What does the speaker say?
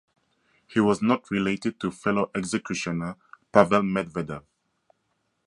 He was not related to fellow executioner Pavel Medvedev.